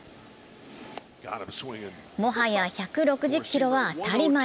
もはや１６０キロは当たり前。